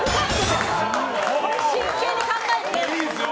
これ、真剣に考えて。